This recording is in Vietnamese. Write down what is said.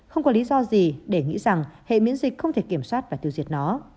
không có lý do gì để nghĩ rằng hệ miễn dịch không thể kiểm soát và tiêu diệt nó